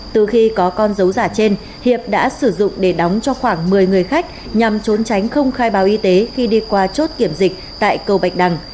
từ khi có con dấu giả trên hiệp đã sử dụng để đóng cho khoảng một mươi người khách nhằm trốn tránh không khai báo y tế khi đi qua chốt kiểm dịch tại cầu bạch đằng